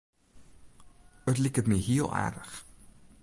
It liket my hiel aardich.